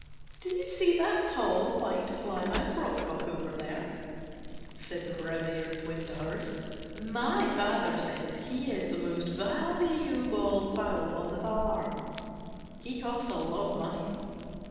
"Do you see that tall White Plymouth Rock Cock over there?" said the brown haired twin to hers. "My Father says he is the most vallyoobol fowl on the farm. He cost a lot of money.